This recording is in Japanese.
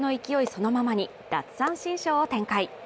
そのままに奪三振ショーを展開。